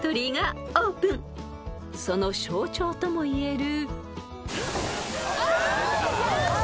［その象徴とも言える］